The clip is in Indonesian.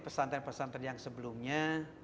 pesantren pesantren yang sebelumnya